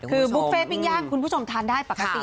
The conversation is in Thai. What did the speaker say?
คือบุฟเฟ่ปิ้งย่างคุณผู้ชมทานได้ปกติ